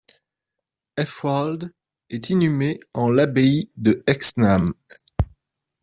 Ælfwald est inhumé en l'abbaye de Hexham.